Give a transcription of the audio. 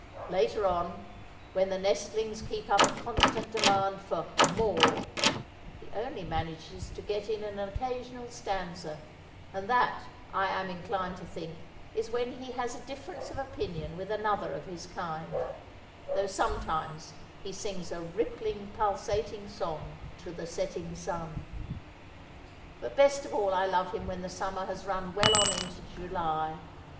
Later on, when the nestlings keep up a constant demand for "more," he only manages to get in an occasional stanza; and that, I am inclined to think, is when he has a difference of opinion with another of his kind; though sometimes he sings a rippling, pulsating song to the setting sun. But best of all I love him when the summer has run well on into July.